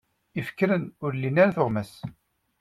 Ifekren ur lin ara tuɣmas.